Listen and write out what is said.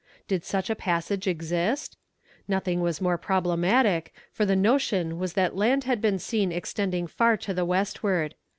Did such a passage exist? Nothing was more problematic, for the notion was that land had been seen extending far to the westward.